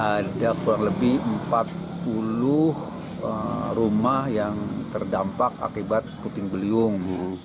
ada kurang lebih empat puluh rumah yang terdampak akibat puting beliung